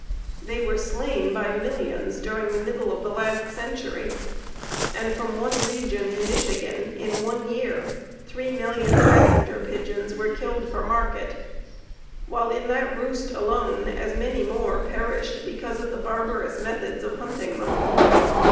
They were slain by millions during the middle of the last century, and from one region in Michigan in one year three million Passenger Pigeons were killed for market, while in that roost alone as many more perished because of the barbarous methods of hunting them.